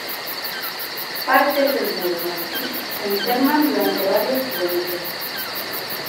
Partes del muro marroquí se internan durante varios km.